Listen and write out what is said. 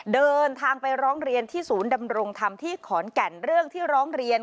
เดินทางไปร้องเรียนที่ศูนย์ดำรงธรรมที่ขอนแก่นเรื่องที่ร้องเรียน